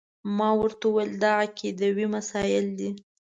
ما ورته وویل دا عقیدوي مسایل دي.